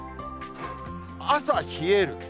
朝冷える。